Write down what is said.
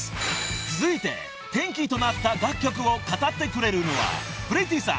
［続いて転機となった楽曲を語ってくれるのはプリティさん。